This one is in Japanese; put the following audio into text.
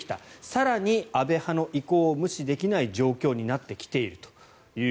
更に、安倍派の意向を無視できない状況になってきていると。